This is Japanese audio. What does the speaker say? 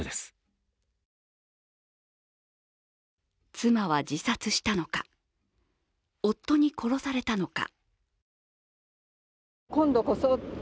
妻は自殺したのか、夫に殺されたのか。